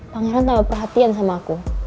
pangeran tambah perhatian sama aku